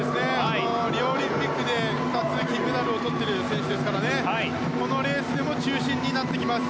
リオオリンピックで２つの金メダルをとっている選手ですからこのレースでも中心になってきます。